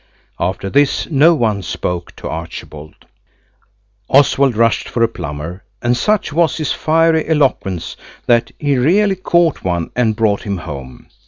After this no one spoke to Archibald. Oswald rushed for a plumber, and such was his fiery eloquence he really caught one and brought him home.